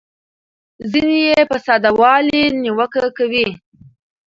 ځینې یې په ساده والي نیوکه کوي.